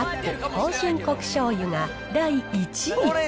芳醇こく醤油が第１位。